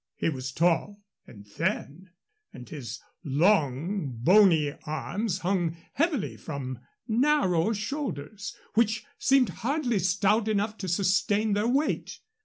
He was tall and thin, and his long, bony arms hung heavily from narrow shoulders, which seemed hardly stout enough to sustain their weight.